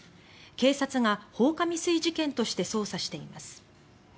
警察が、放火未遂事件として捜査しています。